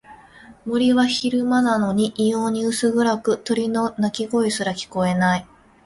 森は昼間なのに異様に薄暗く、鳥の鳴き声すら聞こえない。